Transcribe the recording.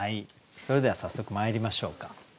それでは早速まいりましょうか。